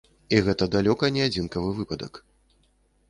І гэта далёка не адзінкавы выпадак.